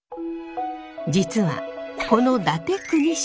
実はこの伊達邦成